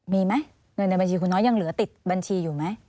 มีไหมเงินในบัญชีคุณน้อยยังเหลือติดบัญชีอยู่ไหม